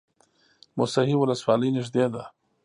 موسهي ولسوالۍ نږدې ده؟